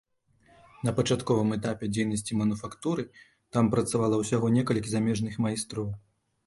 На пачатковым этапе дзейнасці мануфактуры там працавала ўсяго некалькі замежных майстроў.